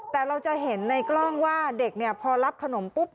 แต่เราจะเห็นในกล้องว่าเด็กเนี่ยพอรับขนมปุ๊บ